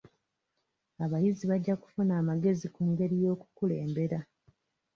Abayizi bajja kufuna amagezi ku ngeri y'okukulembera.